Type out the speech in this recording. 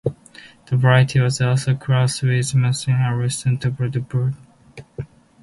The variety was also crossed with Muscat of Alexandria to produce Black Muscat.